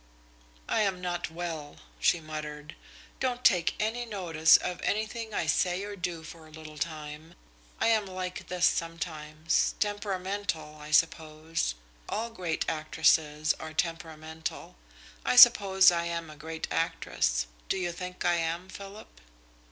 "I am not well," she muttered. "Don't take any notice of anything I say or do for a little time. I am like this sometimes temperamental, I suppose. All great actresses are temperamental. I suppose I am a great actress. Do you think I am, Philip?"